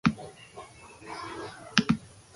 Michaeli bakardade hura ikaragarria iruditzen zitzaion.